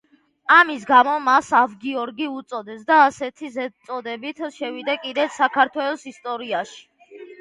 ამის გამო მას ავგიორგი უწოდეს და ასეთი ზედწოდებით შევიდა კიდეც საქართველოს ისტორიაში.